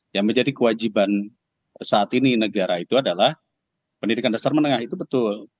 yang menjadi kewajiban saat ini negara itu adalah pendidikan dasar menengah itu betul